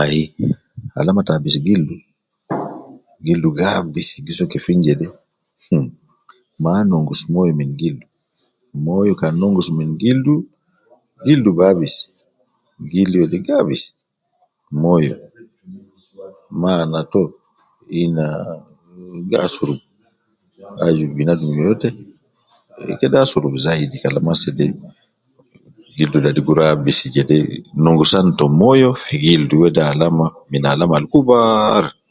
Ayi alama ta abidu gildu, gildu gaabis jede hm ma nongus moyo min gildu, moyo kan nongus min gildu gildu gi abis. Maana to aju azol kede asurubu moyo ketir. Nongsan ta moyo min gildu wede alama min alama kubar ta abis gildu